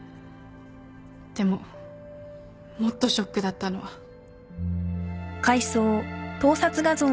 でももっとショックだったのは。